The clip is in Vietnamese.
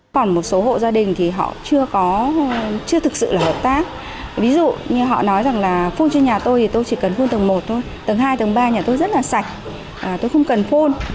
còn một số hộ gia đình thì họ chưa thực sự là hợp tác ví dụ như họ nói rằng là phun trên nhà tôi thì tôi chỉ cần phun tầng một thôi tầng hai tầng ba nhà tôi rất là sạch tôi không cần phun